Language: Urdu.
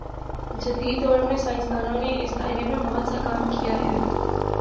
جدیددور میں سائنس دانوں نے اس دائرے میں بہت سا کام کیا ہے